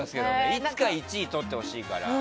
いつか１位とってほしいから。